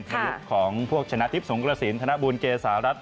ยุคของพวกชนะทิพย์สงกระสินธนบูลเกษารัฐ